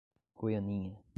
Goianinha